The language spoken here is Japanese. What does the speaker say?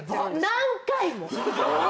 何回も。